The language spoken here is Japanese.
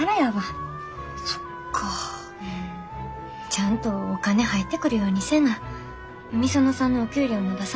ちゃんとお金入ってくるようにせな御園さんのお給料も出さなあ